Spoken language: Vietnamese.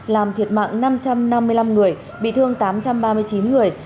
làm thiệt mạng năm trăm năm mươi năm người bị thương tám trăm ba mươi chín người